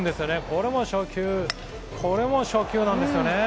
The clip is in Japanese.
これも初球、これも初球なんですよね。